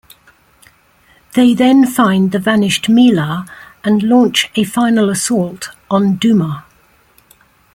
They then find the vanished Mila and launch a final assault on Duma.